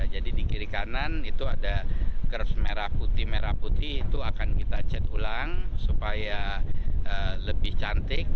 jadi di kiri kanan itu ada kerbs merah putih merah putih itu akan kita cat ulang supaya lebih cantik